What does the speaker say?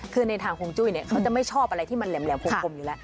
คือในทางฮวงจุ้ยเนี่ยเขาจะไม่ชอบอะไรที่มันแหลมคมอยู่แล้ว